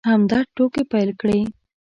همدرد ټوکې پيل کړې.